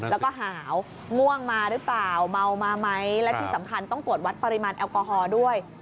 แล้วก็หาวงมาหรือเปล่าเมามาไหมและที่สำคัญต้องตรวจวัดปริมาณแอลกอฮอล์ด้วย